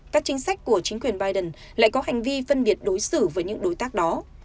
các chính sách của chính quyền biden lại có hành vi phân biệt đối xử với những đối tác đó